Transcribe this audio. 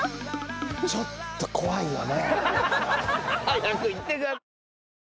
ちょっと怖いよね。